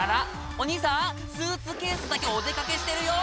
お兄さんスーツケースだけお出かけしてるよ